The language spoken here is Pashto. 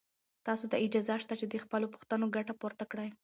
تاسو ته اجازه شته چې له خپلو پوښتنو ګټه پورته کړئ.